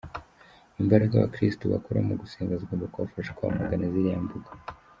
Imbaraga Abakirisito bakura mu gusenga zigomba kubafasha kwamagana ziriya mbuga.